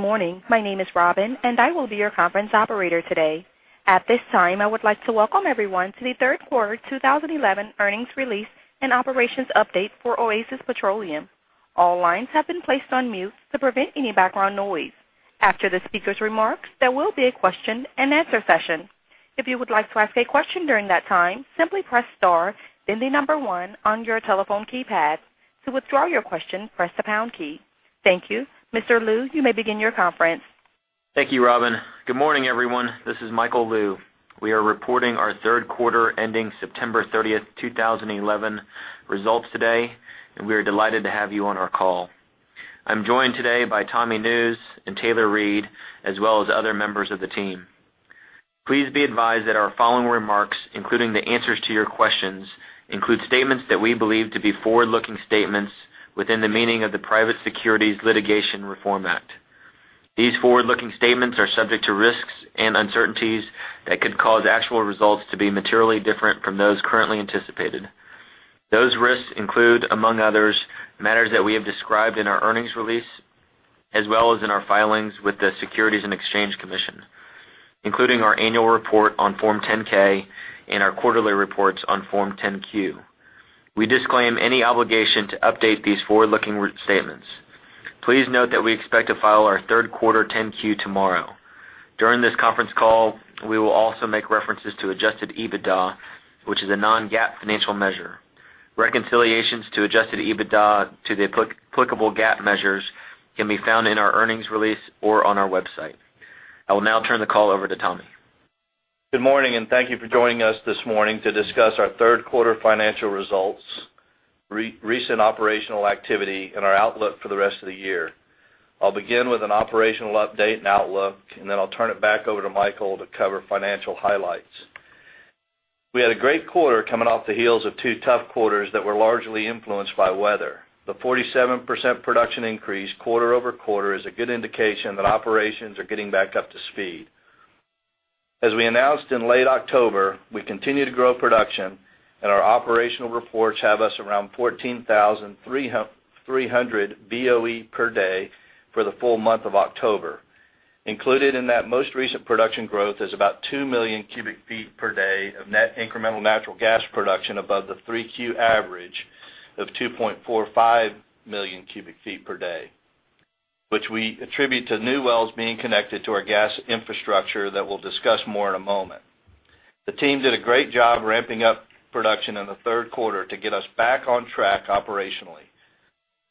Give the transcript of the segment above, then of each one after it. Morning. My name is Robin, and I will be your conference operator today. At this time, I would like to welcome everyone to the Third Quarter 2011 Earnings Release and Operations Update for Oasis Petroleum. All lines have been placed on mute to prevent any background noise. After the speaker's remarks, there will be a question and answer session. If you would like to ask a question during that time, simply press star, then the number one on your telephone keypad. To withdraw your question, press the pound key. Thank you. Mr. Lou, you may begin your conference. Thank you, Robin. Good morning, everyone. This is Michael Lou. We are reporting our third quarter ending September 30, 2011, results today, and we are delighted to have you on our call. I'm joined today by Thomas Nusz and Taylor Reid, as well as other members of the team. Please be advised that our following remarks, including the answers to your questions, include statements that we believe to be forward-looking statements within the meaning of the Private Securities Litigation Reform Act. These forward-looking statements are subject to risks and uncertainties that could cause actual results to be materially different from those currently anticipated. Those risks include, among others, matters that we have described in our earnings release, as well as in our filings with the Securities and Exchange Commission, including our annual report on Form 10-K and our quarterly reports on Form 10-Q. We disclaim any obligation to update these forward-looking statements. Please note that we expect to file our third quarter 10-Q tomorrow. During this conference call, we will also make references to adjusted EBITDA, which is a non-GAAP financial measure. Reconciliations to adjusted EBITDA to the applicable GAAP measures can be found in our earnings release or on our website. I will now turn the call over to Thomas. Good morning, and thank you for joining us this morning to discuss our third quarter financial results, recent operational activity, and our outlook for the rest of the year. I'll begin with an operational update and outlook, and then I'll turn it back over to Michael to cover financial highlights. We had a great quarter coming off the heels of two tough quarters that were largely influenced by weather. The 47% production increase quarter over quarter is a good indication that operations are getting back up to speed. As we announced in late October, we continue to grow production, and our operational reports have us around 14,300 BOE per day for the full month of October. Included in that most recent production growth is about 2 million cubic feet per day of net incremental natural gas production above the 3Q average of 2.45 million cubic feet per day, which we attribute to new wells being connected to our gas infrastructure that we'll discuss more in a moment. The team did a great job ramping up production in the third quarter to get us back on track operationally.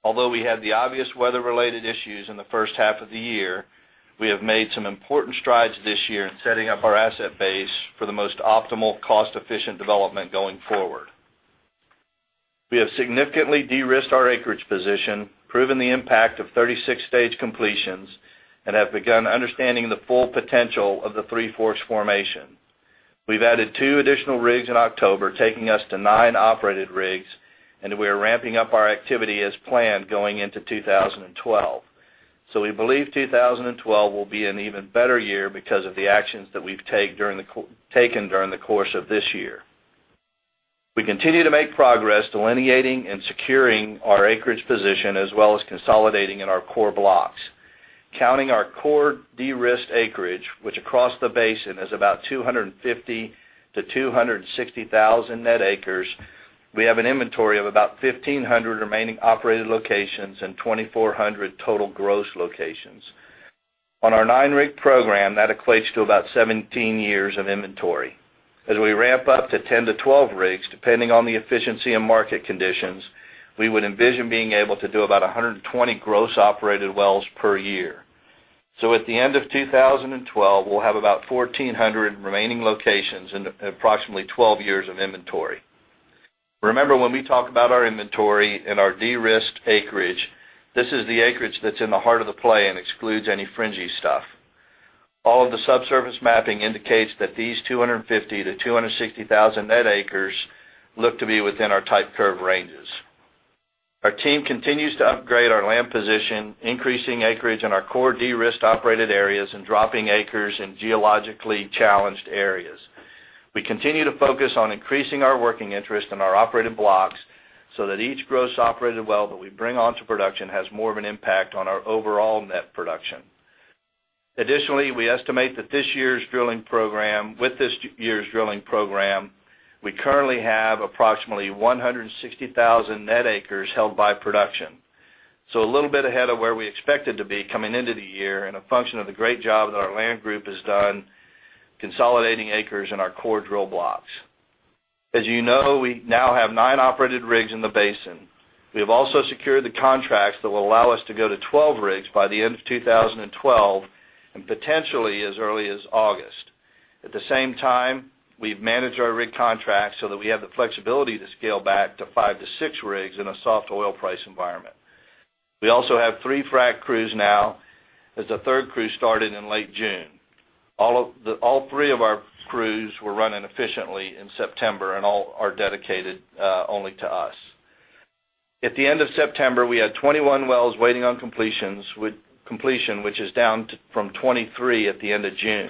Although we had the obvious weather-related issues in the first half of the year, we have made some important strides this year in setting up our asset base for the most optimal, cost-efficient development going forward. We have significantly de-risked our acreage position, proven the impact of 36-stage completions, and have begun understanding the full potential of the Three Forks formation. We've added two additional rigs in October, taking us to nine operated rigs, and we are ramping up our activity as planned going into 2012. We believe 2012 will be an even better year because of the actions that we've taken during the course of this year. We continue to make progress delineating and securing our acreage position, as well as consolidating in our core blocks. Counting our core de-risked acreage, which across the basin is about 250,000-260,000 net acres, we have an inventory of about 1,500 remaining operated locations and 2,400 total gross locations. On our nine-rig program, that equates to about 17 years of inventory. As we ramp up to 10-12 rigs, depending on the efficiency and market conditions, we would envision being able to do about 120 gross operated wells per year. At the end of 2012, we'll have about 1,400 remaining locations and approximately 12 years of inventory. Remember when we talk about our inventory and our de-risked acreage, this is the acreage that's in the heart of the play and excludes any fringy stuff. All of the subsurface mapping indicates that these 250,000-260,000 net acres look to be within our tight curve ranges. Our team continues to upgrade our land position, increasing acreage in our core de-risked operated areas and dropping acres in geologically challenged areas. We continue to focus on increasing our working interest in our operating blocks so that each gross operated well that we bring onto production has more of an impact on our overall net production. Additionally, we estimate that with this year's drilling program, we currently have approximately 160,000 net acres held by production. This is a little bit ahead of where we expected to be coming into the year and a function of the great job that our land group has done consolidating acres in our core drill blocks. As you know, we now have nine operated rigs in the basin. We have also secured the contracts that will allow us to go to 12 rigs by the end of 2012 and potentially as early as August. At the same time, we've managed our rig contracts so that we have the flexibility to scale back to 5-6 rigs in a soft oil price environment. We also have three frack crews now, as the third crew started in late June. All three of our crews were running efficiently in September and all are dedicated only to us. At the end of September, we had 21 wells waiting on completion, which is down from 23 at the end of June.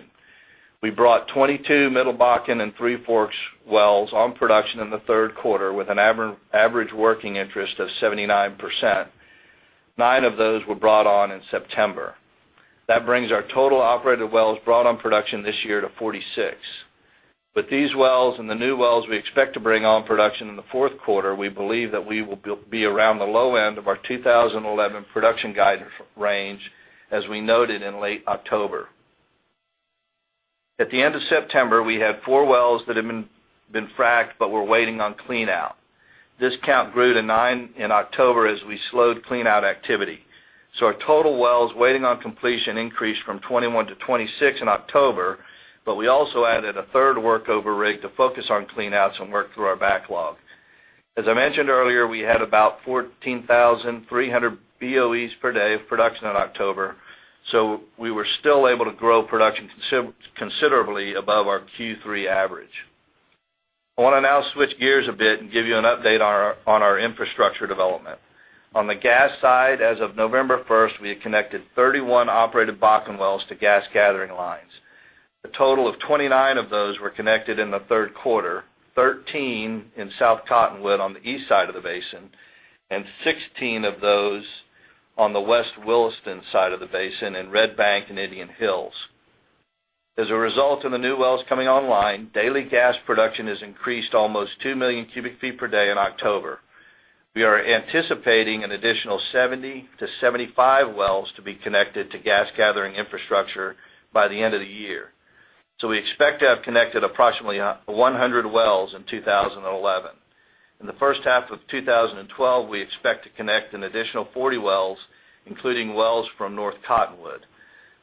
We brought 22 Middle Bakken and Three Forks wells on production in the third quarter with an average working interest of 79%. Nine of those were brought on in September. That brings our total operated wells brought on production this year to 46. With these wells and the new wells we expect to bring on production in the fourth quarter, we believe that we will be around the low end of our 2011 production guidance range, as we noted in late October. At the end of September, we had four wells that had been fracked but were waiting on clean-out. This count grew to nine in October as we slowed clean-out activity. Our total wells waiting on completion increased from 21-26 in October, but we also added a third workover rig to focus on clean-outs and work through our backlog. As I mentioned earlier, we had about 14,300 BOEs per day of production in October, so we were still able to grow production considerably above our Q3 average. I want to now switch gears a bit and give you an update on our infrastructure development. On the gas side, as of November 1st, we had connected 31 operated Bakken wells to gas gathering lines. A total of 29 of those were connected in the third quarter, 13 in South Cottonwood on the east side of the basin, and 16 of those on the West Williston side of the basin in Red Bank and Indian Hills. As a result of the new wells coming online, daily gas production has increased almost 2 million cubic feet per day in October. We are anticipating an additional 70-75 wells to be connected to gas gathering infrastructure by the end of the year. We expect to have connected approximately 100 wells in 2011. In the first half of 2012, we expect to connect an additional 40 wells, including wells from North Cottonwood.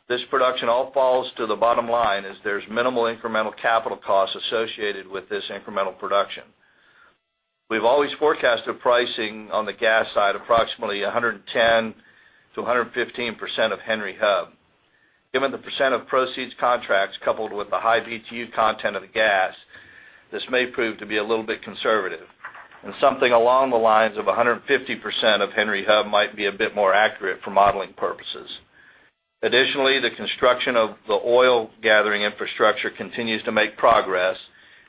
This production all falls to the bottom line as there's minimal incremental capital costs associated with this incremental production. We've always forecasted pricing on the gas side approximately 110%-115% of Henry Hub. Given the percent of proceeds contracts coupled with the high BTU content of the gas, this may prove to be a little bit conservative. Something along the lines of 150% of Henry Hub might be a bit more accurate for modeling purposes. Additionally, the construction of the oil gathering infrastructure continues to make progress,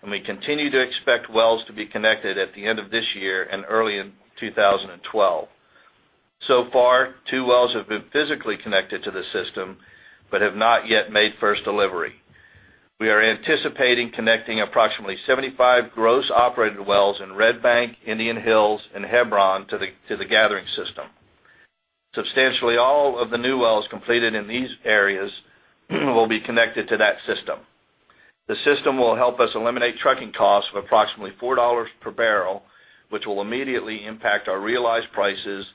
and we continue to expect wells to be connected at the end of this year and early in 2012. So far, two wells have been physically connected to the system but have not yet made first delivery. We are anticipating connecting approximately 75 gross operated wells in Red Bank, Indian Hills, and Hebron to the gathering system. Substantially, all of the new wells completed in these areas will be connected to that system. The system will help us eliminate trucking costs of approximately $4 per barrel, which will immediately impact our realized prices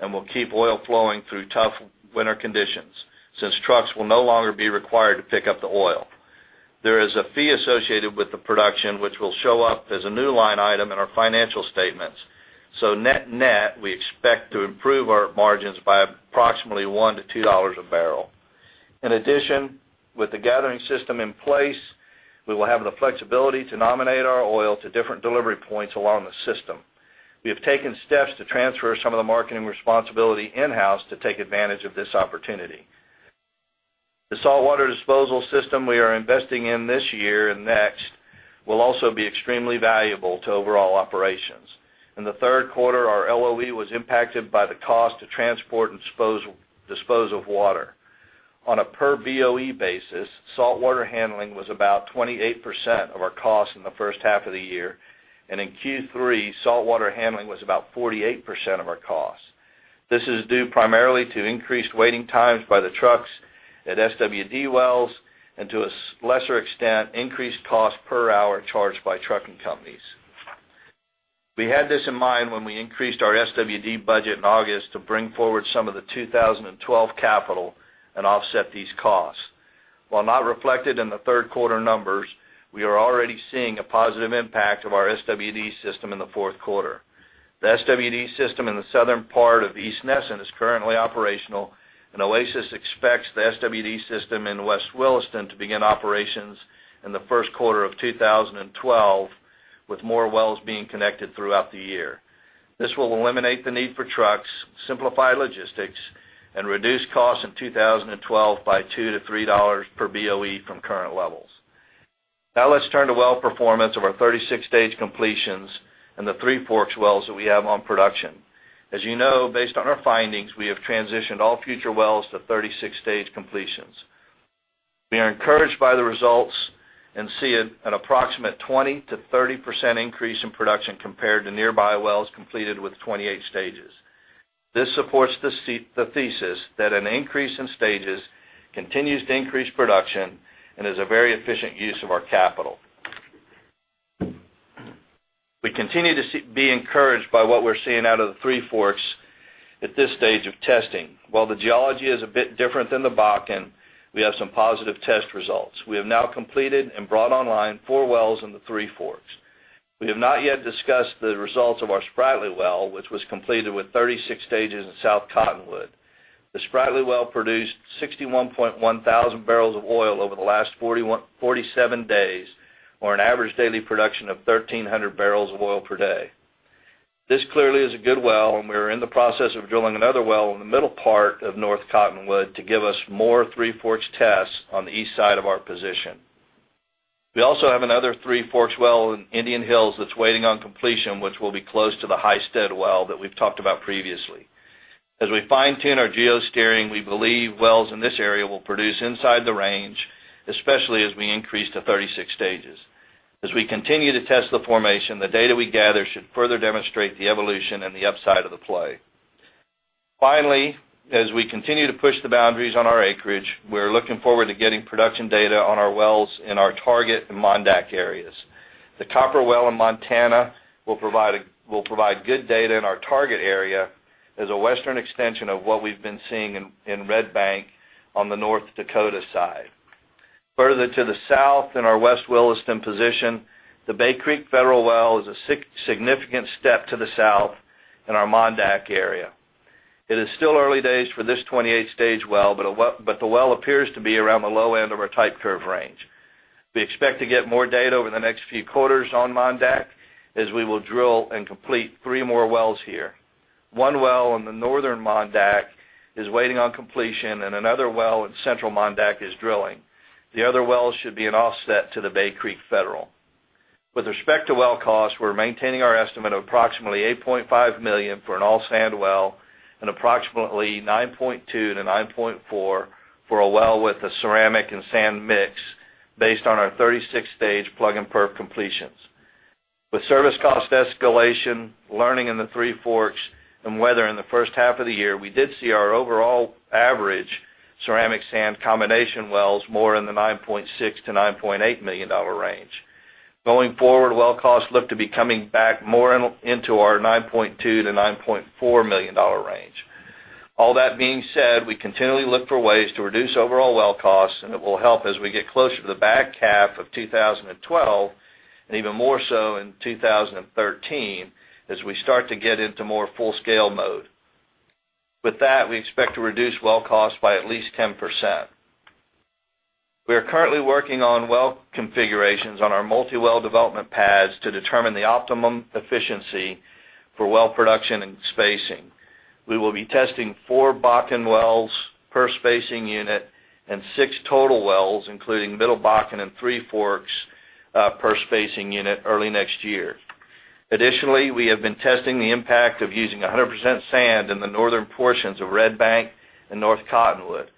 and will keep oil flowing through tough winter conditions since trucks will no longer be required to pick up the oil. There is a fee associated with the production, which will show up as a new line item in our financial statements. Net-net, we expect to improve our margins by approximately $1-$2 a barrel. In addition, with the gathering system in place, we will have the flexibility to nominate our oil to different delivery points along the system. We have taken steps to transfer some of the marketing responsibility in-house to take advantage of this opportunity. The saltwater disposal system we are investing in this year and next will also be extremely valuable to overall operations. In the third quarter, our LOE was impacted by the cost to transport and dispose of water. On a per BOE basis, saltwater handling was about 28% of our costs in the first half of the year, and in Q3, saltwater handling was about 48% of our costs. This is due primarily to increased waiting times by the trucks at SWD wells and to a lesser extent, increased costs per hour charged by trucking companies. We had this in mind when we increased our SWD budget in August to bring forward some of the 2012 capital and offset these costs. While not reflected in the third quarter numbers, we are already seeing a positive impact of our SWD system in the fourth quarter. The SWD system in the southern part of East Neston is currently operational, and Chord Energy expects the SWD system in West Williston to begin operations in the first quarter of 2012 with more wells being connected throughout the year. This will eliminate the need for trucks, simplify logistics, and reduce costs in 2012 by $2-$3 per BOE from current levels. Now let's turn to well performance of our 36-stage completions and the Three Forks wells that we have on production. As you know, based on our findings, we have transitioned all future wells to 36-stage completions. We are encouraged by the results and see an approximate 20%-30% increase in production compared to nearby wells completed with 28 stages. This supports the thesis that an increase in stages continues to increase production and is a very efficient use of our capital. We continue to be encouraged by what we're seeing out of the Three Forks at this stage of testing. While the geology is a bit different than the Bakken, we have some positive test results. We have now completed and brought online four wells in the Three Forks. We have not yet discussed the results of our Spratly well, which was completed with 36 stages in South Cottonwood. The Spratly well produced 61,100 barrels of oil over the last 47 days, or an average daily production of 1,300 barrels of oil per day. This clearly is a good well, and we are in the process of drilling another well in the middle part of North Cottonwood to give us more Three Forks tests on the east side of our position. We also have another Three Forks well in Indian Hills that's waiting on completion, which will be close to the High Stead well that we've talked about previously. As we fine-tune our geosteering, we believe wells in this area will produce inside the range, especially as we increase to 36 stages. As we continue to test the formation, the data we gather should further demonstrate the evolution and the upside of the play. Finally, as we continue to push the boundaries on our acreage, we're looking forward to getting production data on our wells in our target and Mondak areas. The Copper Well in Montana will provide good data in our target area as a western extension of what we've been seeing in Red Bank on the North Dakota side. Further to the south in our West Williston position, the Bay Creek Federal Well is a significant step to the south in our Mondak area. It is still early days for this 28-stage well, but the well appears to be around the low end of our tight curve range. We expect to get more data over the next few quarters on Mondak as we will drill and complete three more wells here. One well in the northern Mondak is waiting on completion, and another well in central Mondak is drilling. The other well should be an offset to the Bay Creek Federal. With respect to well costs, we're maintaining our estimate of approximately $8.5 million for an all sand well and approximately $9.2 million-$9.4 million for a well with a ceramic and sand mix based on our 36-stage plug and perf completions. With service cost escalation, learning in the Three Forks, and weather in the first half of the year, we did see our overall average ceramic sand combination wells more in the $9.6 million-$9.8 million range. Going forward, well costs look to be coming back more into our $9.2 million-$9.4 million range. All that being said, we continually look for ways to reduce overall well costs, and it will help as we get closer to the back half of 2012 and even more so in 2013 as we start to get into more full-scale mode. With that, we expect to reduce well costs by at least 10%. We are currently working on well configurations on our multi-well development pads to determine the optimum efficiency for well production and spacing. We will be testing four Bakken wells per spacing unit and six total wells, including Middle Bakken and Three Forks per spacing unit early next year. Additionally, we have been testing the impact of using 100% sand in the northern portions of Red Bank and North Cottonwood.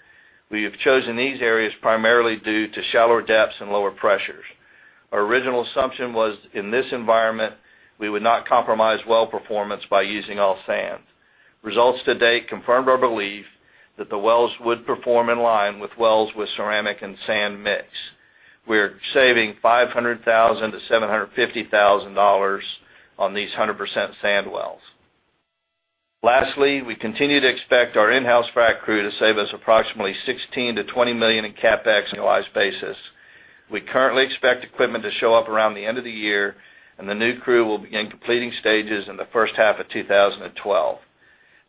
We have chosen these areas primarily due to shallower depths and lower pressures. Our original assumption was in this environment, we would not compromise well performance by using all sand. Results to date confirmed our belief that the wells would perform in line with wells with ceramic and sand mix. We're saving $500,000-$750,000 on these 100% sand wells. Lastly, we continue to expect our in-house frac crew to save us approximately $16 million-$20 million in CapEx. We currently expect equipment to show up around the end of the year, and the new crew will begin completing stages in the first half of 2012.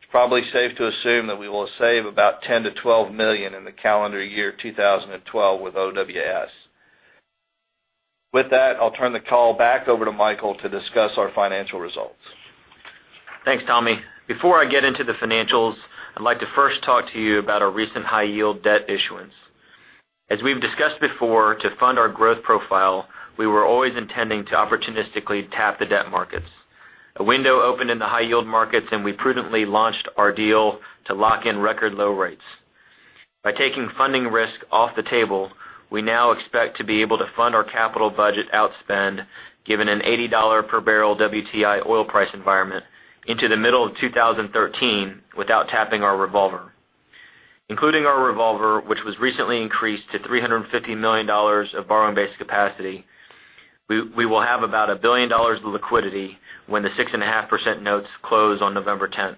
It's probably safe to assume that we will save about $10 million-$12 million in the calendar year 2012 with OWS. With that, I'll turn the call back over to Michael to discuss our financial results. Thanks, Tommy. Before I get into the financials, I'd like to first talk to you about our recent high-yield debt issuance. As we've discussed before, to fund our growth profile, we were always intending to opportunistically tap the debt markets. A window opened in the high-yield markets, and we prudently launched our deal to lock in record low rates. By taking funding risk off the table, we now expect to be able to fund our capital budget outspend, given an $80 per barrel WTI oil price environment, into the middle of 2013 without tapping our revolver. Including our revolver, which was recently increased to $350 million of borrowing-based capacity, we will have about $1 billion of liquidity when the 6.5% notes close on November 10th.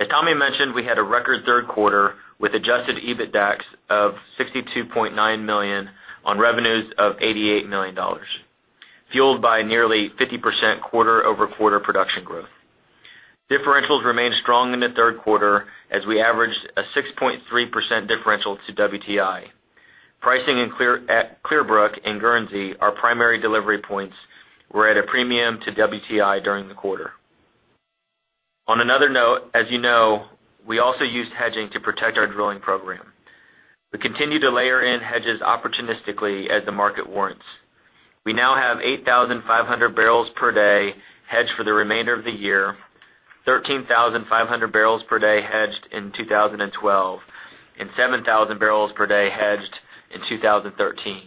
As Tommy mentioned, we had a record third quarter with adjusted EBITDA of $62.9 million on revenues of $88 million, fueled by nearly 50% quarter-over-quarter production growth. Differentials remained strong in the third quarter as we averaged a 6.3% differential to WTI. Pricing in Clearbrook and Guernsey, our primary delivery points, were at a premium to WTI during the quarter. On another note, as you know, we also used hedging to protect our drilling program. We continue to layer in hedges opportunistically as the market warrants. We now have 8,500 barrels per day hedged for the remainder of the year, 13,500 barrels per day hedged in 2012, and 7,000 barrels per day hedged in 2013.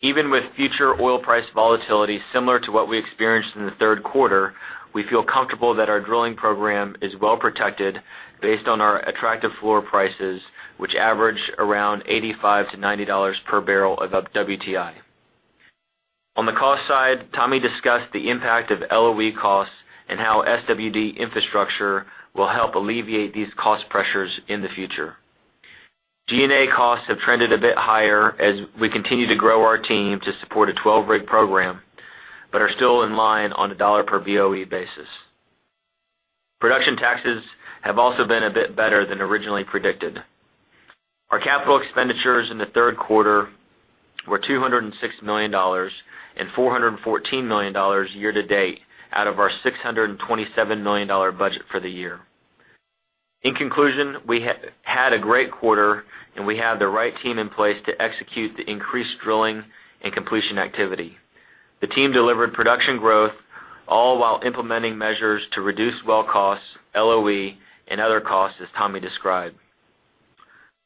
Even with future oil price volatility similar to what we experienced in the third quarter, we feel comfortable that our drilling program is well protected based on our attractive floor prices, which average around $85 to $90 per barrel of WTI. On the cost side, Tommy discussed the impact of LOE costs and how SWD infrastructure will help alleviate these cost pressures in the future. G&A costs have trended a bit higher as we continue to grow our team to support a 12-rig program but are still in line on a dollar per BOE basis. Production taxes have also been a bit better than originally predicted. Our capital expenditures in the third quarter were $206 million and $414 million year to date out of our $627 million budget for the year. In conclusion, we had a great quarter, and we had the right team in place to execute the increased drilling and completion activity. The team delivered production growth, all while implementing measures to reduce well costs, LOE, and other costs, as Tommy described.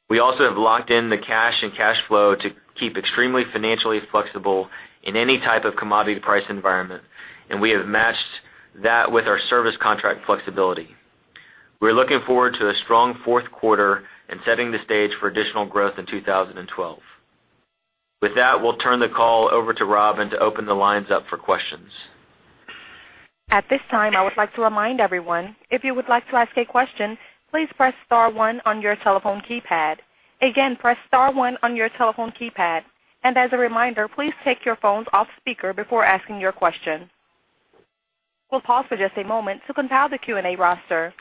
We also have locked in the cash and cash flow to keep extremely financially flexible in any type of commodity price environment, and we have matched that with our service contract flexibility. We're looking forward to a strong fourth quarter and setting the stage for additional growth in 2012. With that, we'll turn the call over to Robin to open the lines up for questions. At this time, I would like to remind everyone, if you would like to ask a question, please press star one on your telephone keypad. Again, press star one on your telephone keypad. As a reminder, please take your phones off speaker before asking your question. We'll pause for just a moment to compile the Q&A roster.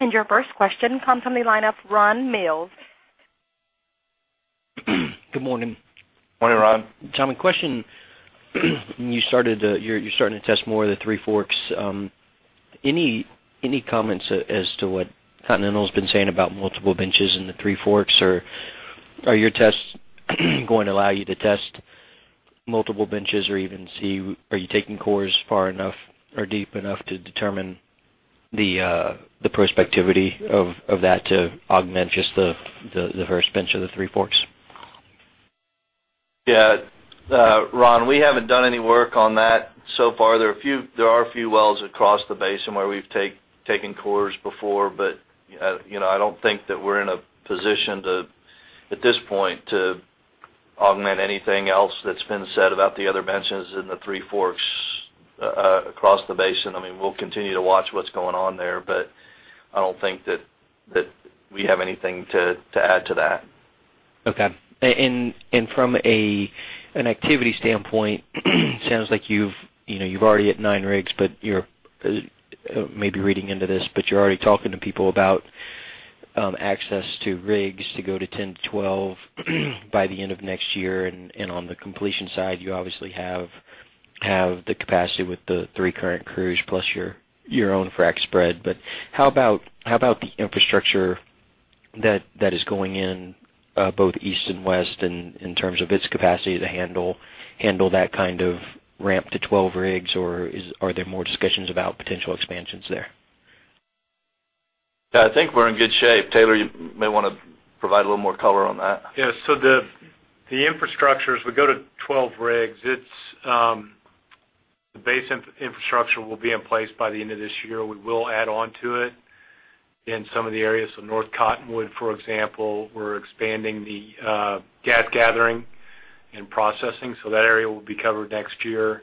Your first question comes from the line of Ron Mills. Good morning. Morning, Ron. Tommy, question, you started to test more of the Three Forks. Any comments as to what Continental has been saying about multiple benches in the Three Forks, or are your tests going to allow you to test multiple benches or even see, are you taking cores far enough or deep enough to determine the prospectivity of that to augment just the first bench of the Three Forks? Yeah, Ron, we haven't done any work on that so far. There are a few wells across the basin where we've taken cores before, but I don't think that we're in a position to, at this point, to augment anything else that's been said about the other benches in the Three Forks across the basin. I mean, we'll continue to watch what's going on there, but I don't think that we have anything to add to that. Okay. From an activity standpoint, it sounds like you're already at nine rigs, but you're maybe reading into this, but you're already talking to people about access to rigs to go to 10-12 by the end of next year. On the completion side, you obviously have the capacity with the three current crews plus your own frack spread. How about the infrastructure that is going in both east and west in terms of its capacity to handle that kind of ramp to 12 rigs, or are there more discussions about potential expansions there? I think we're in good shape. Taylor, you may want to provide a little more color on that. Yeah. The infrastructures, we go to 12 rigs. The base infrastructure will be in place by the end of this year. We will add on to it in some of the areas. North Cottonwood, for example, we're expanding the gas gathering and processing. That area will be covered next year.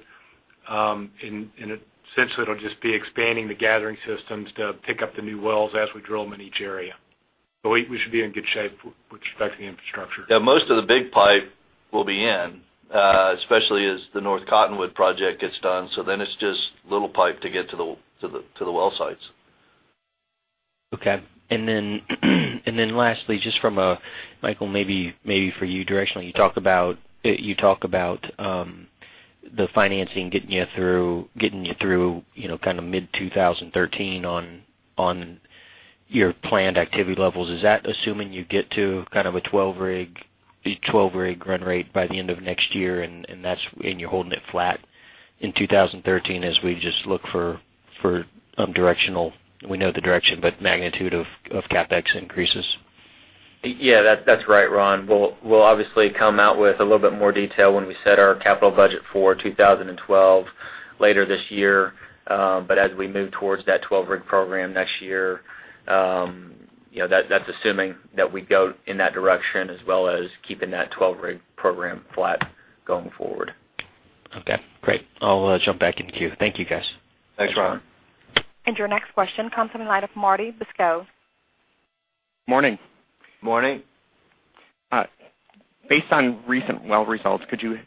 Essentially, it'll just be expanding the gathering systems to pick up the new wells as we drill them in each area. We should be in good shape with respect to the infrastructure. Yeah, most of the big pipe will be in, especially as the North Cottonwood project gets done. It's just little pipe to get to the well sites. Okay. Lastly, just for Michael, maybe for you directionally, you talk about the financing getting you through, you know, kind of mid-2013 on your planned activity levels. Is that assuming you get to kind of a 12-rig run rate by the end of next year and you're holding it flat in 2013 as we just look for directional? We know the direction, but magnitude of CapEx increases. Yeah, that's right, Ron. We'll obviously come out with a little bit more detail when we set our capital budget for 2012 later this year. As we move towards that 12-rig program next year, that's assuming that we go in that direction as well as keeping that 12-rig program flat going forward. Okay, great. I'll jump back in queue. Thank you, guys. Thanks, Ron. Your next question comes from the line of Marty Beskow. Morning. Morning. Hi. Based on recent well results, could you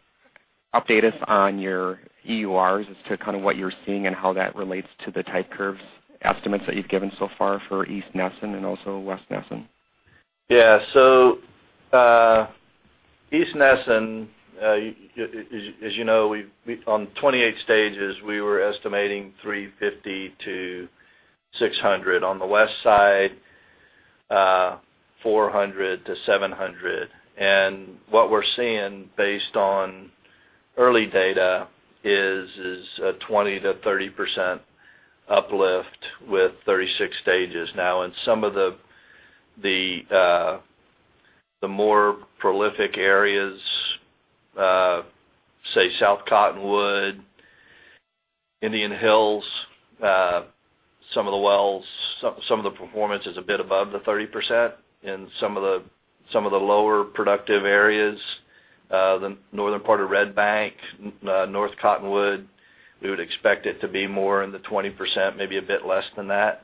update us on your EURs as to kind of what you're seeing and how that relates to the type curves estimates that you've given so far for East Neston and also West Neston? Yeah. East Neston, as you know, on 28-stage wells, we were estimating 350-600. On the west side, 400-700. What we're seeing based on early data is a 20%-30% uplift with 36-stage completions. In some of the more prolific areas, say South Cottonwood, Indian Hills, some of the wells, some of the performance is a bit above the 30%. In some of the lower productive areas, the northern part of Red Bank, North Cottonwood, we would expect it to be more in the 20%, maybe a bit less than that.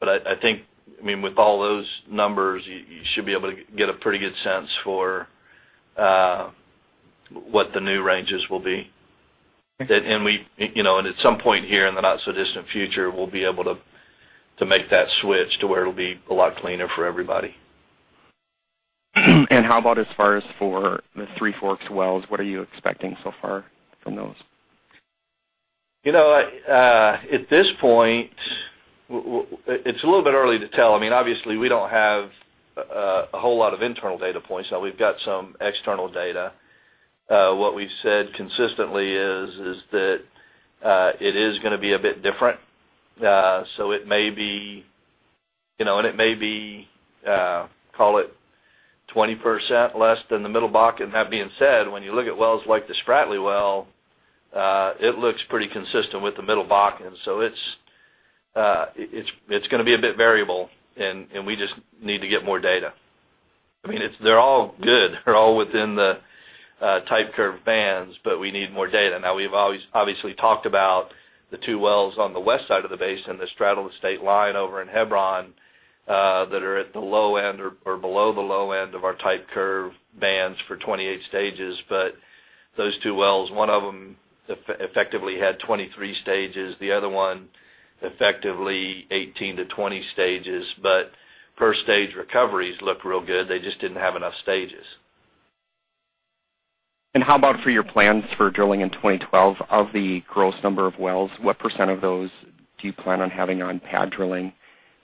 I think with all those numbers, you should be able to get a pretty good sense for what the new ranges will be. At some point here in the not-so-distant future, we'll be able to make that switch to where it'll be a lot cleaner for everybody. How about as far as for the Three Forks wells? What are you expecting so far from those? At this point, it's a little bit early to tell. I mean, obviously, we don't have a whole lot of internal data points. Now, we've got some external data. What we've said consistently is that it is going to be a bit different. It may be, you know, and it may be, call it 20% less than the Middle Bakken. That being said, when you look at wells like the Spratly well, it looks pretty consistent with the Middle Bakken. It's going to be a bit variable, and we just need to get more data. They're all good. They're all within the tight curve bands, but we need more data. We've obviously talked about the two wells on the west side of the basin, the Strata-Lestate line over in Hebron, that are at the low end or below the low end of our tight curve bands for 28-stage wells. Those two wells, one of them effectively had 23 stages, the other one effectively 18-20 stages, but per stage recoveries looked real good. They just didn't have enough stages. For your plans for drilling in 2012 of the gross number of wells, what percent of those do you plan on having on pad drilling,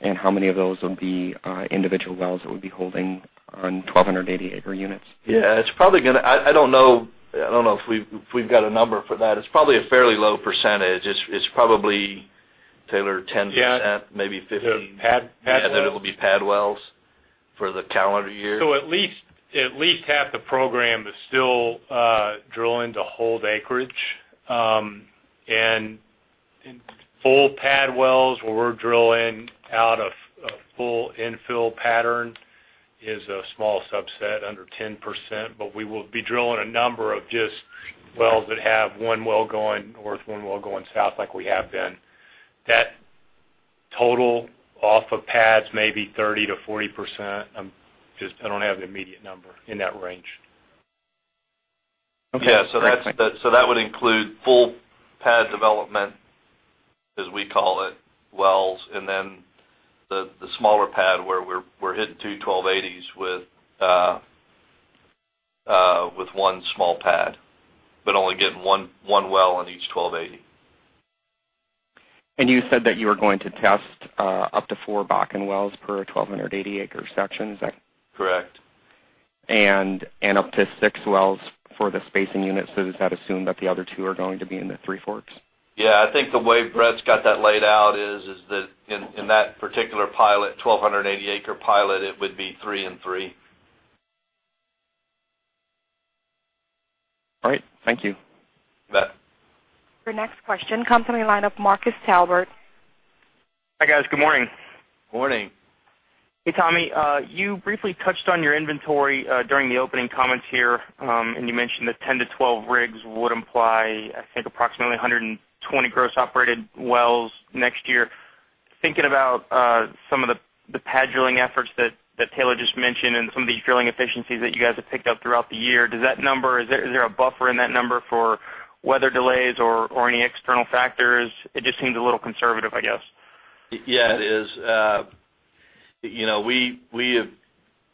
and how many of those would be individual wells that would be holding on 1,200-acre units? Yeah, it's probably going to, I don't know. I don't know if we've got a number for that. It's probably a fairly low percentage. It's probably, Taylor, 10%, maybe 15%, and then it'll be pad wells for the calendar year. At least half the program is still drilling to hold acreage. Full pad wells where we're drilling out of a full infill pattern is a small subset, under 10%, but we will be drilling a number of just wells that have one well going north, one well going south like we have been. That total off of pads may be 30%-40%. I don't have the immediate number in that range. Yeah, that would include full pad development, as we call it, wells, and then the smaller pad where we're hitting two 1280s with one small pad, but only getting one well in each 1280. You said that you were going to test up to four Bakken wells per 1,280-acre section, is that? Correct. Up to six wells for the spacing units. Does that assume that the other two are going to be in the Three Forks? I think the way Brett's got that laid out is that in that particular pilot, 1,280-acre pilot, it would be three and three. All right. Thank you. You bet. Your next question comes from a line of Marcus Talbert. Hi, guys. Good morning. Morning. Hey, Tommy. You briefly touched on your inventory during the opening comments here, and you mentioned that 10-12 rigs would imply, I think, approximately 120 gross operated wells next year. Thinking about some of the pad drilling efforts that Taylor just mentioned and some of these drilling efficiencies that you guys have picked up throughout the year, does that number, is there a buffer in that number for weather delays or any external factors? It just seems a little conservative, I guess. Yeah, it is. You know, we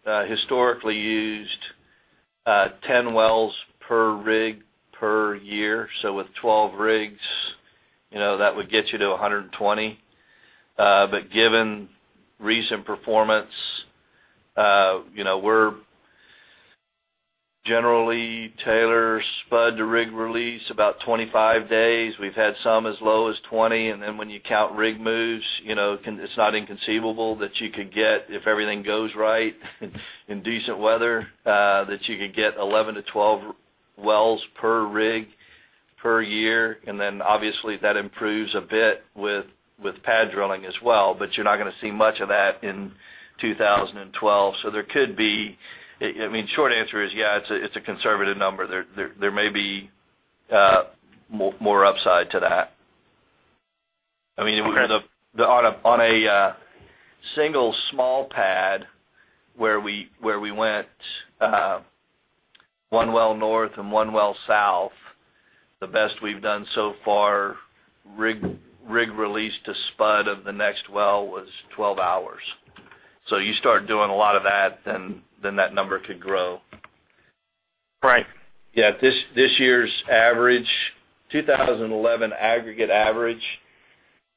have historically used 10 wells per rig per year. With 12 rigs, that would get you to 120. Given recent performance, we're generally, Taylor, spud to rig release about 25 days. We've had some as low as 20. When you count rig moves, it's not inconceivable that you could get, if everything goes right in decent weather, that you could get 11-12 wells per rig per year. Obviously, that improves a bit with pad drilling as well, but you're not going to see much of that in 2012. There could be, I mean, short answer is, yeah, it's a conservative number. There may be more upside to that. On a single small pad where we went one well north and one well south, the best we've done so far, rig release to spud of the next well was 12 hours. You start doing a lot of that, then that number could grow. Right. Yeah, this year's average, 2011 aggregate average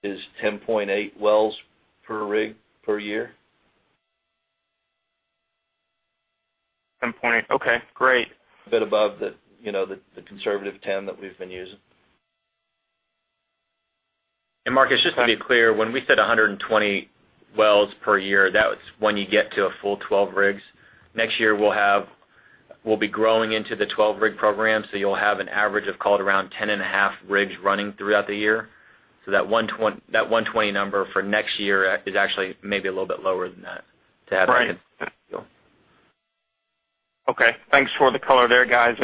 is 10.8 wells per rig per year. 10.8. Okay, great. A bit above the conservative 10 that we've been using. Just to be clear, when we said 120 wells per year, that's when you get to a full 12 rigs. Next year, we'll be growing into the 12-rig program. You'll have an average of around 10.5 rigs running throughout the year. That 120 number for next year is actually maybe a little bit lower than that to have the consistent deal. Okay. Thanks for the color there, guys.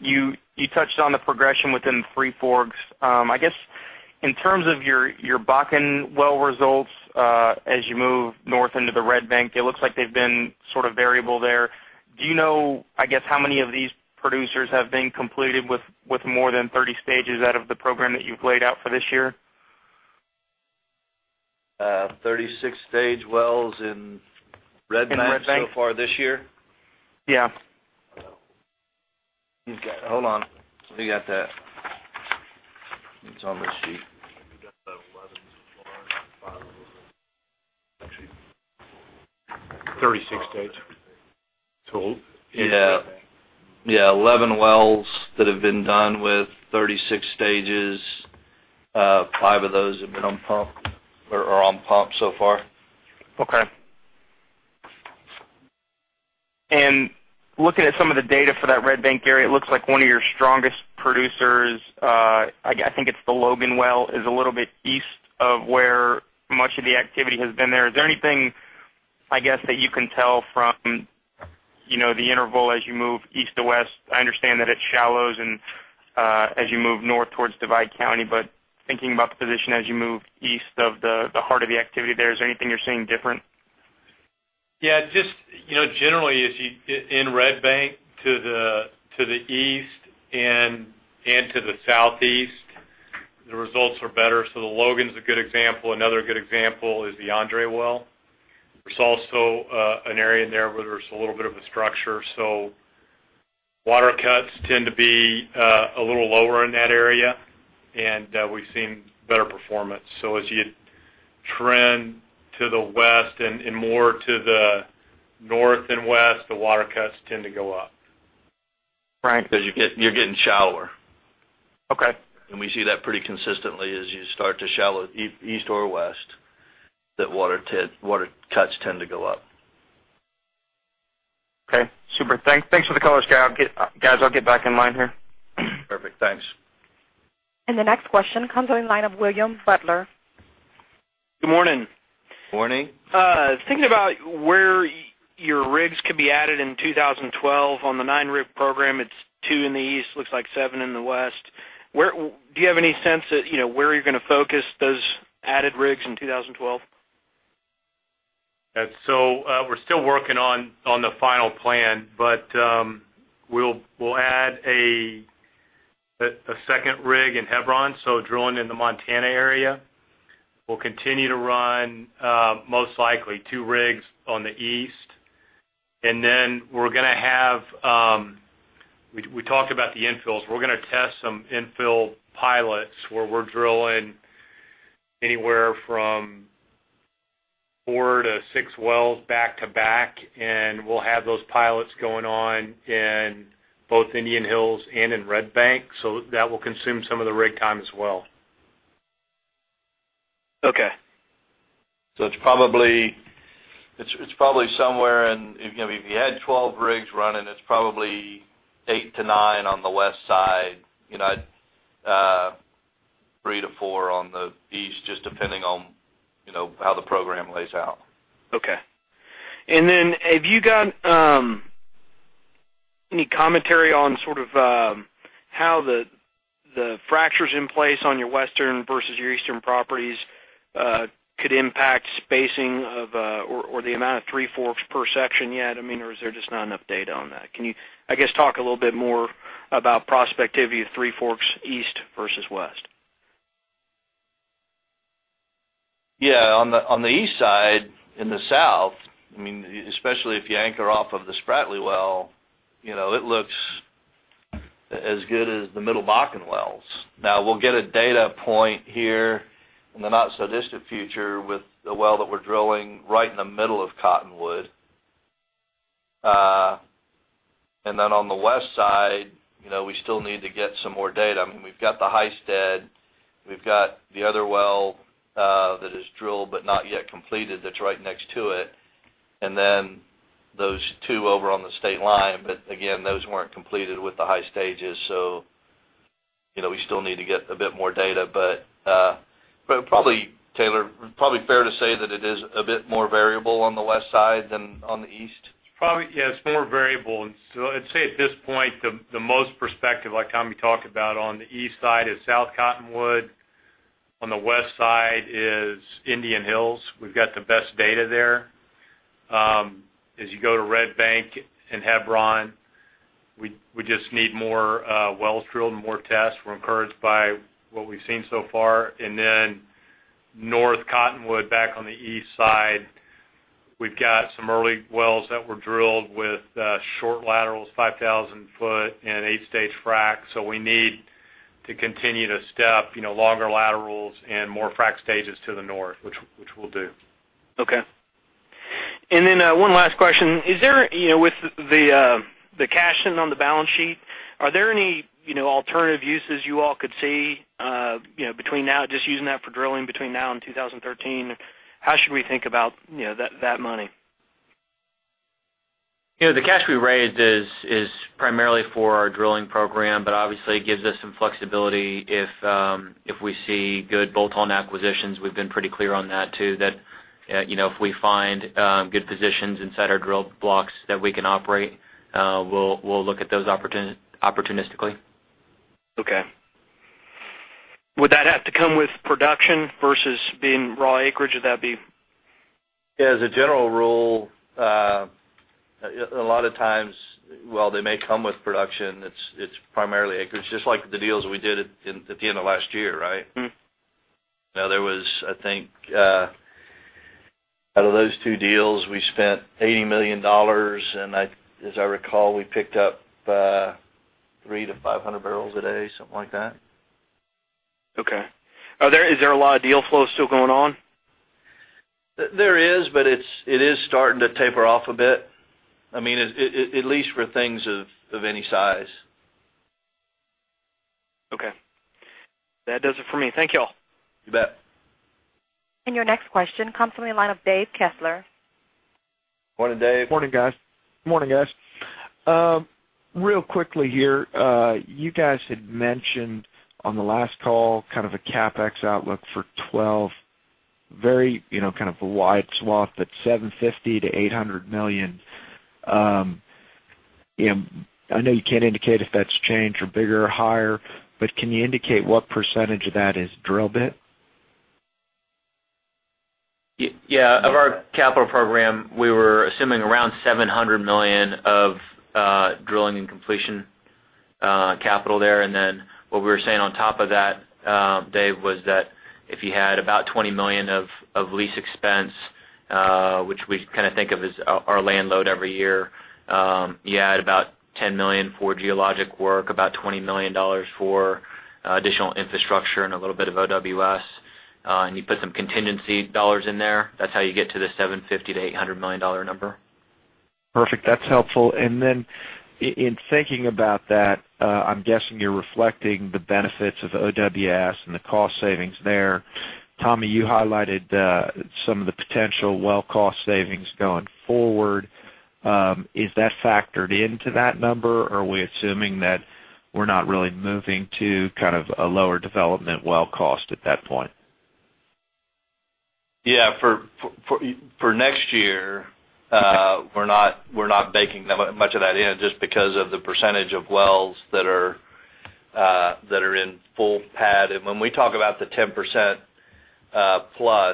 You touched on the progression within the Three Forks. I guess in terms of your Bakken well results, as you move north into the Red Bank, it looks like they've been sort of variable there. Do you know how many of these producers have been completed with more than 30 stages out of the program that you've laid out for this year? 36-stage completions in Red Bank so far this year? Yeah. Hold on. You got that. I think Tommy's sheet. We got the 11 so far. 36 stages. Yeah. Yeah, 11 wells that have been done with 36-stage completions. Five of those have been on pump so far. Okay. Looking at some of the data for that Red Bank area, it looks like one of your strongest producers, I think it's the Logan Well, is a little bit east of where much of the activity has been there. Is there anything that you can tell from the interval as you move east to west? I understand that it shallows as you move north towards Divide County. Thinking about the position as you move east of the heart of the activity there, is there anything you're seeing different? Yeah, just, you know, generally, as you in Red Bank to the east and to the southeast, the results are better. The Logan's a good example. Another good example is the Andrea Well. There's also an area in there where there's a little bit of a structure. Water cuts tend to be a little lower in that area, and we've seen better performance. As you trend to the west and more to the north and west, the water cuts tend to go up. Frankly, you're getting shallower. Okay. We see that pretty consistently as you start to shallow east or west, water cuts tend to go up. Okay. Super. Thanks for the color, guys. I'll get back in line here. Perfect. Thanks. The next question comes in line of William Butler. Good morning. Morning. Thinking about where your rigs could be added in 2012 on the nine-rig program, it's two in the east, looks like seven in the west. Where do you have any sense of where you're going to focus those added rigs in 2012? We're still working on the final plan, but we'll add a second rig in Hebron, drilling in the Montana area. We'll continue to run most likely two rigs on the east, and we're going to have, we talked about the infills, we're going to test some infill pilots where we're drilling anywhere from four to six wells back to back. We'll have those pilots going on in both Indian Hills and in Red Bank, so that will consume some of the rig time as well. Okay. It's probably somewhere in, you know, if you had 12 rigs running, it's probably eight to nine on the west side, you know, three to four on the east, just depending on, you know, how the program lays out. Okay. Have you got any commentary on how the fractures in place on your western versus your eastern properties could impact spacing of or the amount of Three Forks per section yet? I mean, or is there just not enough data on that? Can you talk a little bit more about prospectivity of Three Forks east versus west? Yeah. On the east side, in the south, I mean, especially if you anchor off of the Spratly well, it looks as good as the Middle Bakana wells. We'll get a data point here in the not-so-distant future with the well that we're drilling right in the middle of Cottonwood. On the west side, we still need to get some more data. We've got the High Stead. We've got the other well that is drilled but not yet completed that's right next to it. Those two over on the state line weren't completed with the high stages. We still need to get a bit more data, but probably, Taylor, probably fair to say that it is a bit more variable on the west side than on the east? Probably. Yeah, it's more variable. I'd say at this point, the most perspective, like Tommy talked about, on the east side is South Cottonwood. On the west side is Indian Hills. We've got the best data there. As you go to Red Bank and Hebron, we just need more wells drilled and more tests. We're encouraged by what we've seen so far. North Cottonwood, back on the east side, we've got some early wells that were drilled with short laterals, 5,000-foot, and eight-stage fracks. We need to continue to step longer laterals and more frac stages to the north, which we'll do. Okay. One last question. Is there, with the cash on the balance sheet, are there any alternative uses you all could see between now and just using that for drilling between now and 2013? How should we think about that money? You know, the cash we raised is primarily for our drilling program, but obviously, it gives us some flexibility if we see good bolt-on acquisitions. We've been pretty clear on that too, that if we find good positions inside our drill blocks that we can operate, we'll look at those opportunistically. Okay. Would that have to come with production versus being raw acreage? Would that be? Yeah, as a general rule, a lot of times they may come with production. It's primarily acreage, just like the deals we did at the end of last year, right? Now, there was, I think, out of those two deals, we spent $80 million. And I, as I recall, we picked up 300-500 barrels a day, something like that. Okay, is there a lot of deal flow still going on? There is, but it's starting to taper off a bit. I mean, at least for things of any size. Okay, that does it for me. Thank you all. You bet. Your next question comes from the line of Dave Kistler. Morning, Dave. Good morning, guys. Real quickly here, you guys had mentioned on the last call kind of a CapEx outlook for 2024, very, you know, kind of a wide swath, but $750 million-$800 million. I know you can't indicate if that's changed or bigger or higher, but can you indicate what % of that is drill bit? Yeah. Of our capital program, we were assuming around $700 million of drilling and completion capital there. What we were saying on top of that, Dave, was that if you had about $20 million of lease expense, which we kind of think of as our land load every year, you add about $10 million for geologic work, about $20 million for additional infrastructure and a little bit of OWS, and you put some contingency dollars in there, that's how you get to the $750 to $800 million number. Perfect. That's helpful. In thinking about that, I'm guessing you're reflecting the benefits of OWS and the cost savings there. Tommy, you highlighted some of the potential well cost savings going forward. Is that factored into that number, or are we assuming that we're not really moving to kind of a lower development well cost at that point? Yeah. For next year, we're not baking that much of that in just because of the percentage of wells that are in full pad. When we talk about the 10% +,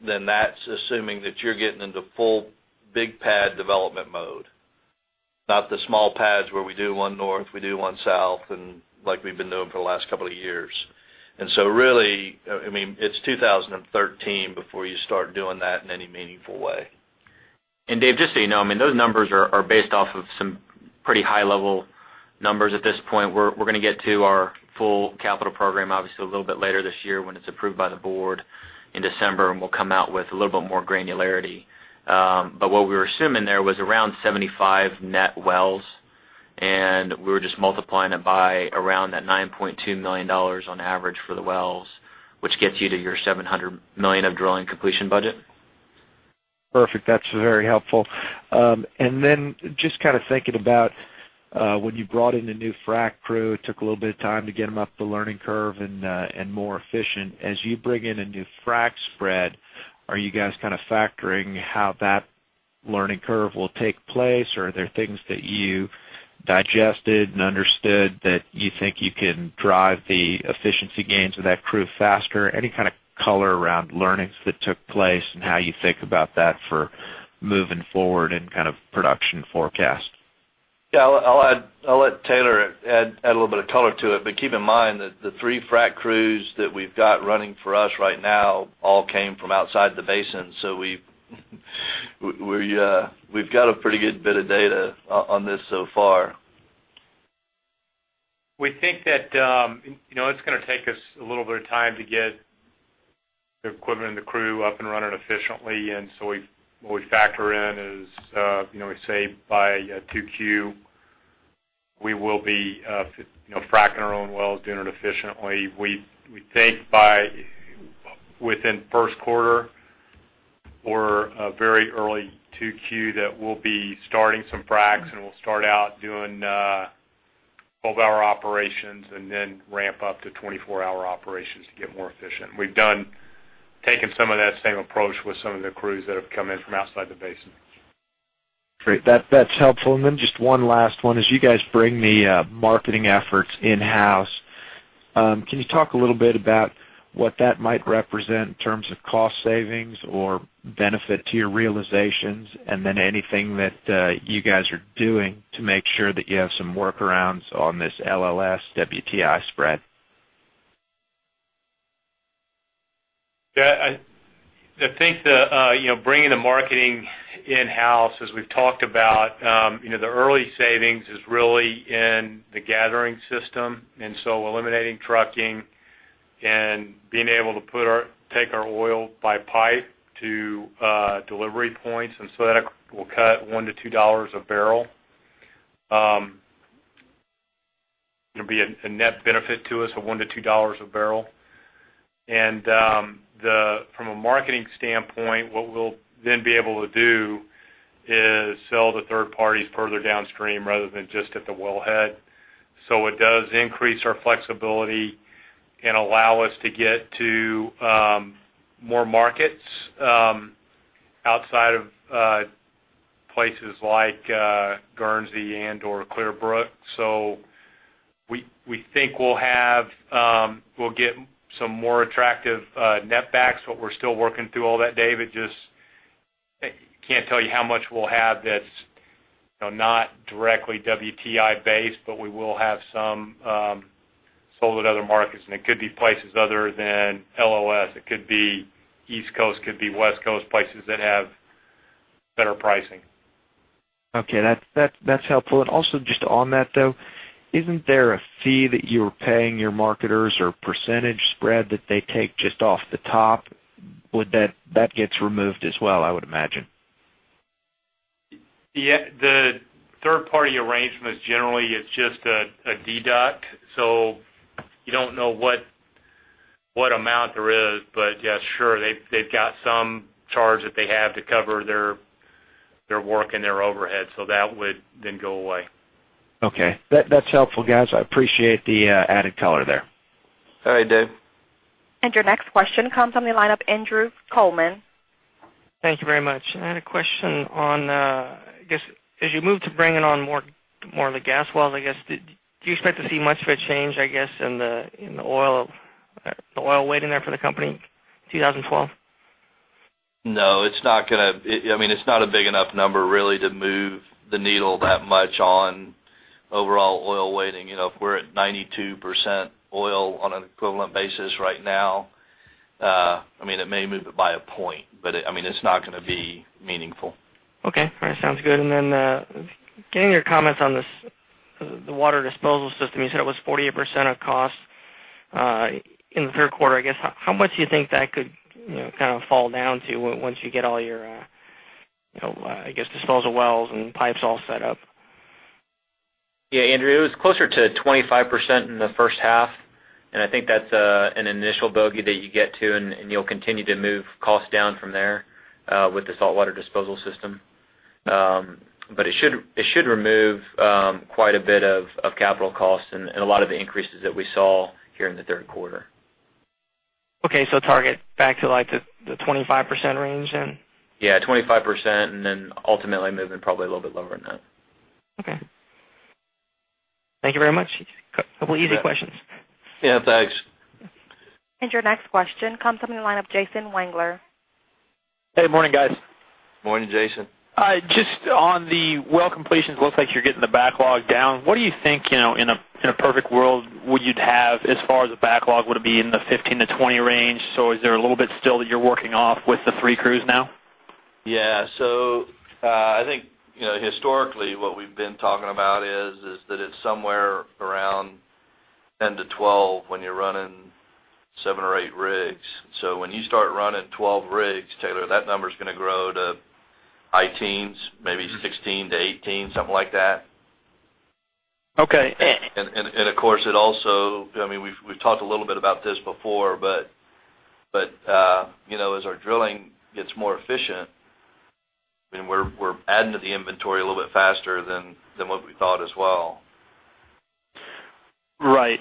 that's assuming that you're getting into full big pad development mode, not the small pads where we do one north, we do one south, like we've been doing for the last couple of years. Really, I mean, it's 2013 before you start doing that in any meaningful way. Dave, just so you know, those numbers are based off of some pretty high-level numbers at this point. We're going to get to our full capital program a little bit later this year when it's approved by the board in December, and we'll come out with a little bit more granularity. What we were assuming there was around 75 net wells, and we were just multiplying it by around $9.2 million on average for the wells, which gets you to your $700 million of drilling completion budget. That's very helpful. Just kind of thinking about when you brought in the new frac crew, it took a little bit of time to get them up the learning curve and more efficient. As you bring in a new frac spread, are you guys kind of factoring how that learning curve will take place, or are there things that you digested and understood that you think you can drive the efficiency gains of that crew faster? Any kind of color around learnings that took place and how you think about that for moving forward in kind of production forecast? Yeah, I'll add, I'll let Taylor add a little bit of color to it. Keep in mind that the three frac crews that we've got running for us right now all came from outside the basin. We've got a pretty good bit of data on this so far. We think that it's going to take us a little bit of time to get the equipment and the crew up and running efficiently. What we factor in is, you know, we say by 2Q, we will be fracking our own wells, doing it efficiently. We think by within first quarter, or very early 2Q, that we'll be starting some fracs, and we'll start out doing 12-hour operations and then ramp up to 24-hour operations to get more efficient. We've taken some of that same approach with some of the crews that have come in from outside the basin. Great. That. That's helpful. Just one last one, as you guys bring the marketing efforts in-house, can you talk a little bit about what that might represent in terms of cost savings or benefit to your realizations, and anything that you guys are doing to make sure that you have some workarounds on this LLS WTI spread? Yeah, I think that bringing the marketing in-house, as we've talked about, the early savings is really in the gathering system. Eliminating trucking and being able to take our oil by pipe to delivery points will cut $1 to $2 a barrel. It'll be a net benefit to us of $1 to $2 a barrel. From a marketing standpoint, what we'll then be able to do is sell to third parties further downstream rather than just at the wellhead. It does increase our flexibility and allows us to get to more markets outside of places like Guernsey and or Clearbrook. We think we'll get some more attractive netbacks, but we're still working through all that, David. I just can't tell you how much we'll have that's not directly WTI-based, but we will have some sold at other markets. It could be places other than LLS. It could be East Coast, could be West Coast, places that have better pricing. Okay, that's helpful. Isn't there a fee that you're paying your marketers or a percentage spread that they take just off the top? Would that get removed as well, I would imagine. Yeah, the third-party arrangements generally, it's just a deduct. You don't know what amount there is, but yeah, sure, they've got some charge that they have to cover their work and their overhead. That would then go away. Okay, that's helpful, guys. I appreciate the added color there. All right, Dave. Your next question comes from the line of Andrew Coleman. Thank you very much. I had a question on, as you move to bringing on more of the gas wells, do you expect to see much of a change in the oil weighting there for the company in 2012? No, it's not going to, I mean, it's not a big enough number really to move the needle that much on overall oil weighting. If we're at 92% oil on an equivalent basis right now, it may move it by a point, but it's not going to be meaningful. Okay. All right, sounds good. Getting your comments on the water disposal system, you said it was 48% of cost in the third quarter. How much do you think that could kind of fall down to once you get all your disposal wells and pipes all set up? Yeah, Andrew, it was closer to 25% in the first half. I think that's an initial bogey that you get to, and you'll continue to move costs down from there with the saltwater disposal system. It should remove quite a bit of capital costs and a lot of the increases that we saw here in the third quarter. Okay, target back to like the 25% range then? Yeah, 25%, and then ultimately moving probably a little bit lower than that. Okay, thank you very much. A couple of easy questions. Yeah, thanks. Your next question comes from the line of Jason Wrangler. Hey, good morning, guys. Morning, Jason. All right, just on the well completions, it looks like you're getting the backlog down. What do you think, you know, in a perfect world, would you have as far as the backlog? Would it be in the 15-20 range? Is there a little bit still that you're working off with the three crews now? Yeah, I think, you know, historically, what we've been talking about is that it's somewhere around 10-12 when you're running seven or eight rigs. When you start running 12 rigs, Taylor, that number is going to grow to 18s, maybe 16-18, something like that. Okay. Of course, it also, I mean, we've talked a little bit about this before, but you know, as our drilling gets more efficient, we're adding to the inventory a little bit faster than what we thought as well. Right.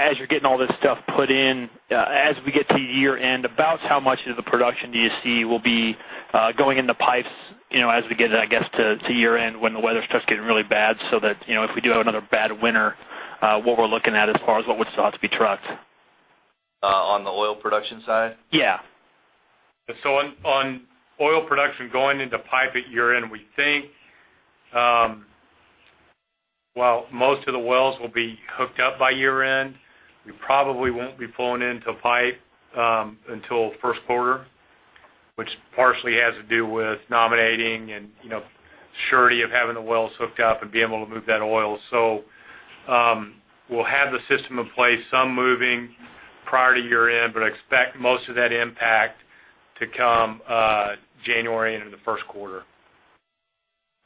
As you're getting all this stuff put in, as we get to the year end, about how much of the production do you see will be going into pipes, you know, as we get it to year end when the weather starts getting really bad, so that if we do have another bad winter, what we're looking at as far as what would still have to be trucked? On the oil production side? Yeah. On oil production going into pipe at year end, we think most of the wells will be hooked up by year end. We probably won't be flowing into pipe until first quarter, which partially has to do with nominating and, you know, surety of having the wells hooked up and being able to move that oil. We'll have the system in place, some moving prior to year end, but I expect most of that impact to come January and in the first quarter.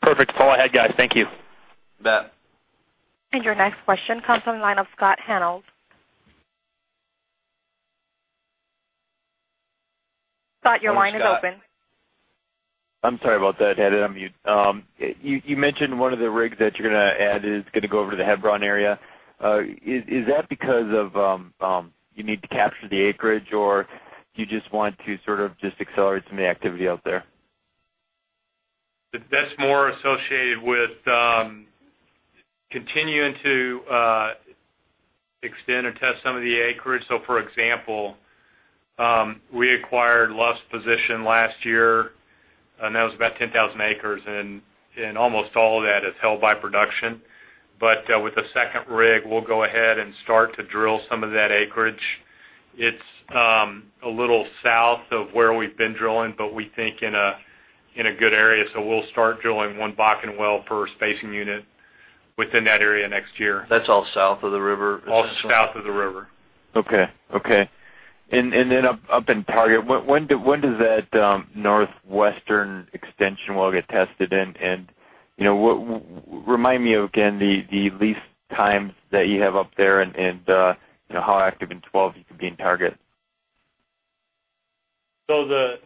Perfect. Go ahead, guys. Thank you. That. Your next question comes from the line of Scott Hanold. Scott, your line is open. I'm sorry about that. I had it on mute. You mentioned one of the rigs that you're going to add is going to go over to the Hebron area. Is that because you need to capture the acreage, or do you just want to sort of accelerate some of the activity out there? That's more associated with continuing to extend or test some of the acreage. For example, we acquired LUFS position last year, and that was about 10,000 acres. In almost all of that, it's held by production. With the second rig, we'll go ahead and start to drill some of that acreage. It's a little south of where we've been drilling, but we think in a good area. We'll start drilling one Bakken well per spacing unit within that area next year. That's all south of the river? All south of the river. Okay. Okay. Up in Target, when does that northwestern extension well get tested? Remind me again the lease times that you have up there and how active in 2024 you could be in Target.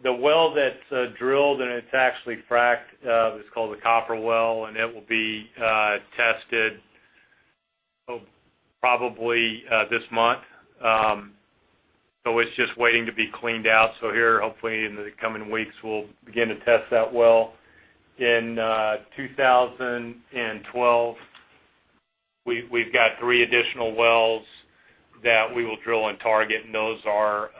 The well that's drilled and it's actually fracked is called the Copper Well, and it will be tested probably this month. It's just waiting to be cleaned out. Hopefully, in the coming weeks, we'll begin to test that well. In 2012, we've got three additional wells that we will drill in Target, and those are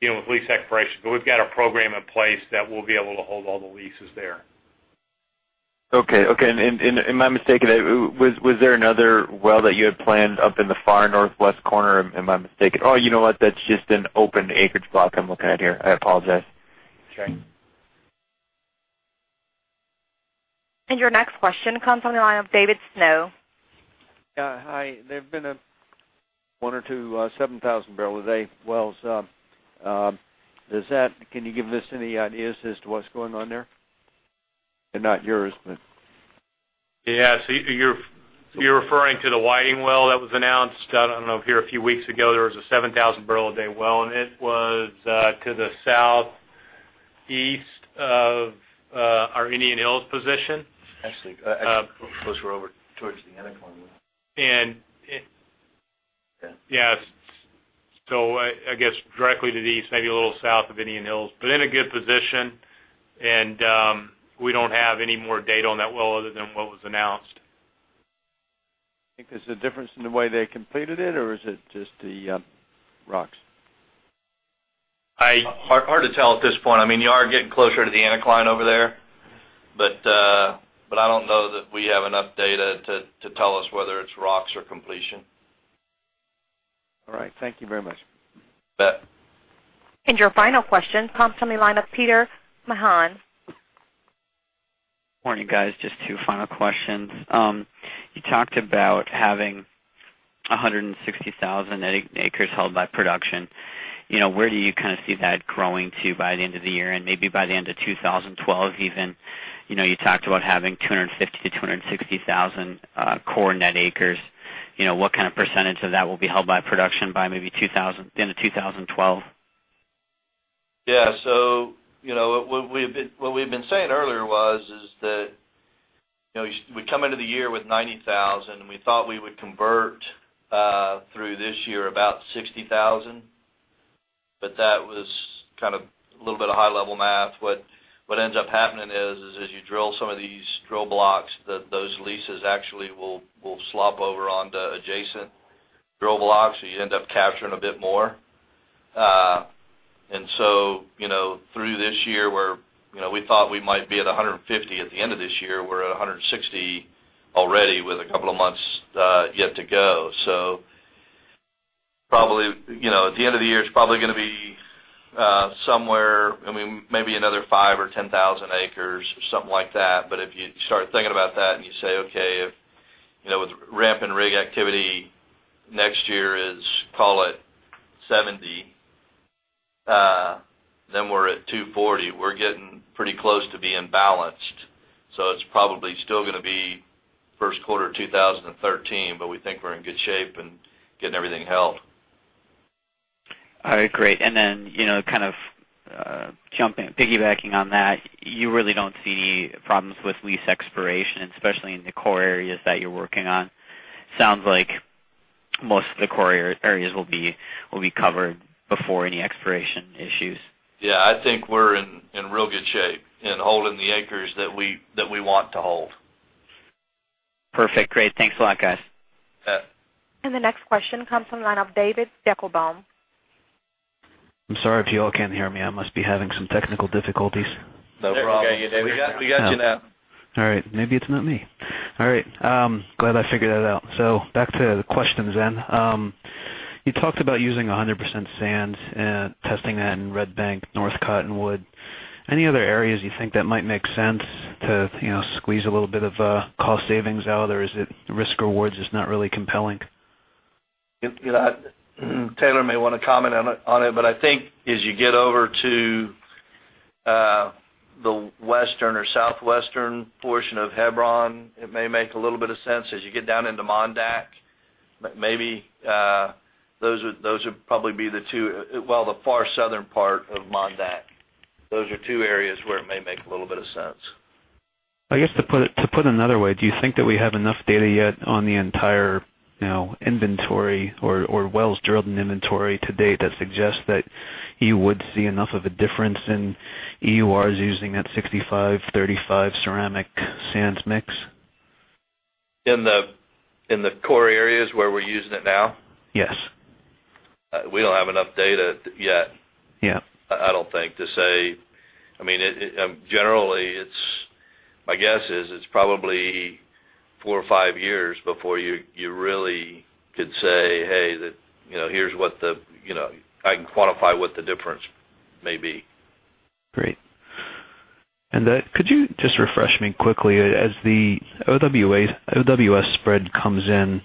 dealing with lease expiration. We've got a program in place that will be able to hold all the leases there. Okay. Okay. Am I mistaken? Was there another well that you had planned up in the far northwest corner? Am I mistaken? Oh, you know what? That's just an open acreage block I'm looking at here. I apologize. That's okay. Your next question comes from the line of David Snow. Yeah, hi. There have been one or two 7,000 barrel a day wells. Can you give us any ideas as to what's going on there? Not yours, but. Yeah, you're referring to the Whiting well that was announced a few weeks ago. There was a 7,000 barrel a day well, and it was to the southeast of our Indian Hills position. Actually, I suppose we're over towards the end of 2021. Yeah, it's directly to the east, maybe a little south of Indian Hills, but in a good position. We don't have any more data on that well other than what was announced. I think there's a difference in the way they completed it, or is it just the rocks? Hard to tell at this point. I mean, you are getting closer to the anticline over there, but I don't know that we have enough data to tell us whether it's rocks or completion. All right. Thank you very much. You bet. Your final question comes from the line of Peter Mahon. Morning, guys. Just two final questions. You talked about having 160,000 acres held by production. Where do you kind of see that growing to by the end of the year? Maybe by the end of 2012, you talked about having 250,000 to 260,000 core net acres. What kind of percentage of that will be held by production by maybe the end of 2012? Yeah, so what we've been saying earlier is that we come into the year with 90,000, and we thought we would convert through this year about 60,000. That was kind of a little bit of high-level math. What ends up happening is as you drill some of these drill blocks, those leases actually will slop over onto adjacent drill blocks, so you end up capturing a bit more. Through this year, we thought we might be at 150 at the end of this year. We're at 160 already with a couple of months yet to go. Probably at the end of the year, it's probably going to be somewhere, maybe another 5,000 or 10,000 acres or something like that. If you start thinking about that and you say, okay, if with ramping rig activity next year is, call it 70, then we're at 240. We're getting pretty close to being balanced. It's probably still going to be first quarter of 2013, but we think we're in good shape and getting everything held. All right, great. Kind of jumping piggybacking on that, you really don't see problems with lease expiration, especially in the core areas that you're working on. It sounds like most of the core areas will be covered before any expiration issues. Yeah, I think we're in real good shape and holding the acres that we want to hold. Perfect. Great. Thanks a lot, guys. Yeah. The next question comes from the line of David Deckelbaum. I'm sorry if you all can't hear me. I must be having some technical difficulties. No problem. Okay, we got you now. All right. Glad I figured that out. Back to the questions then. You talked about using 100% sand and testing that in Red Bank, North Cottonwood. Any other areas you think that might make sense to, you know, squeeze a little bit of cost savings out, or is it risk-rewards is not really compelling? Taylor may want to comment on it, but I think as you get over to the western or southwestern portion of Hebron, it may make a little bit of sense as you get down into Mondak. Maybe those would probably be the two, the far southern part of Mondak. Those are two areas where it may make a little bit of sense. I guess to put it another way, do you think that we have enough data yet on the entire inventory or wells drilled in inventory to date that suggests that you would see enough of a difference in EURs using that 65/35 ceramic sand mix? In the core areas where we're using it now? Yes. We don't have enough data yet. Yeah. I don't think to say, I mean, generally, my guess is it's probably four or five years before you really could say, "Hey, here's what the, you know, I can quantify what the difference may be. Great. Could you just refresh me quickly as the OWS spread comes in?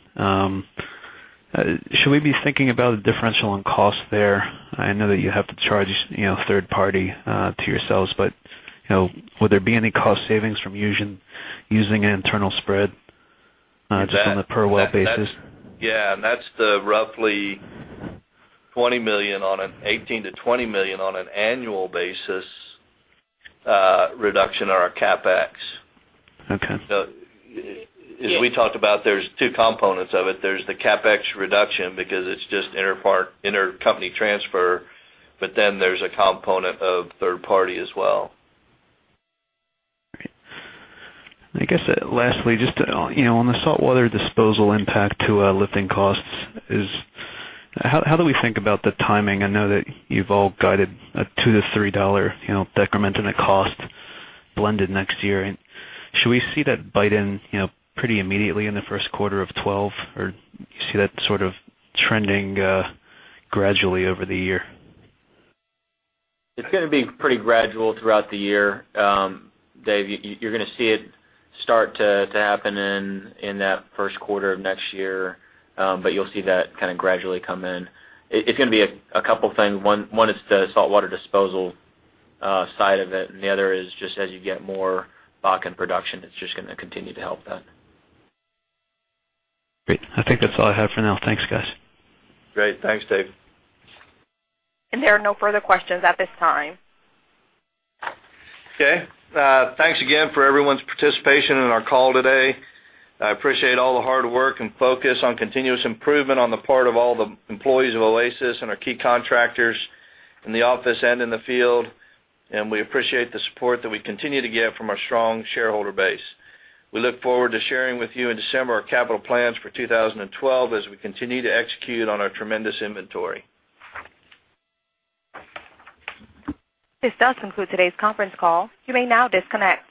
Should we be thinking about a differential on cost there? I know that you have to charge a third party to yourselves, but you know, would there be any cost savings from using an internal spread just on the per well basis? Yeah, that's the roughly $20 million, an $18 million-$20 million on an annual basis reduction of CapEx. Okay. As we talked about, there's two components of it. There's the CapEx reduction because it's just intercompany transfer, but then there's a component of third party as well. Right. Lastly, just to, you know, on the saltwater disposal impact to lifting costs, how do we think about the timing? I know that you've all guided a $2-$3 decrement in the cost blended next year. Should we see that bite in, you know, pretty immediately in the first quarter of 2012, or do you see that sort of trending gradually over the year? It's going to be pretty gradual throughout the year. Dave, you're going to see it start to happen in that first quarter of next year, but you'll see that kind of gradually come in. It's going to be a couple of things. One, it's the saltwater disposal side of it, and the other is just as you get more Bakken production, it's just going to continue to help that. Great. I think that's all I have for now. Thanks, guys. Great. Thanks, Dave. There are no further questions at this time. Okay. Thanks again for everyone's participation in our call today. I appreciate all the hard work and focus on continuous improvement on the part of all the employees of Chord Energy and our key contractors in the office and in the field. We appreciate the support that we continue to get from our strong shareholder base. We look forward to sharing with you in December our capital plans for 2012 as we continue to execute on our tremendous inventory. This does conclude today's conference call. You may now disconnect.